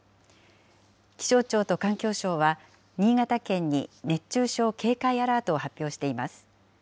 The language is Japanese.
気象庁と環境省は、新潟県に熱中症警戒アラートを発表しています。